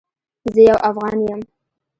زه یو افغان یم